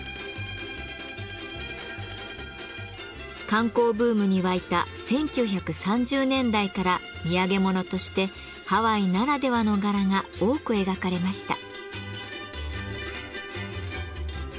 観光ブームに沸いた１９３０年代から土産物としてハワイならではの柄が多く描かれました。